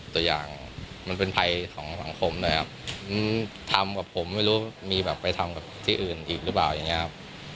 ตัวอย่างมันเป็นภัยของสังคมด้วยครับทำกับผมไม่รู้มีแบบไปทำกับที่อื่นอีกหรือเปล่าอย่างนี้ครับ